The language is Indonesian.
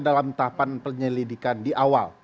dalam tahapan penyelidikan di awal